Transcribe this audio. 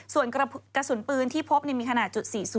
ส่วนกระสุนปืนที่พบมีขนาดจุด๔๐